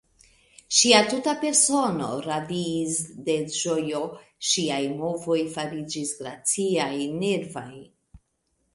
Ŝia tuta persono radiis de ĝojo; ŝiaj movoj fariĝis graciaj, nervaj.